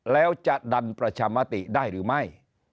แล้วจะดันประชามติได้หรือไม่